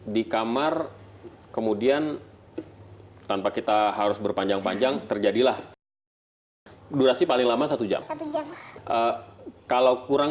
di kamar kemudian tanpa kita harus berpanjang panjang terjadilah durasi paling lama satu jam kalau kurang